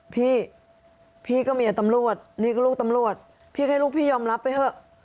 พี่พี่ก็เมียตำรวจนี่ก็ลูกตำรวจพี่ก็ให้ลูกพี่ยอมรับไปเถอะ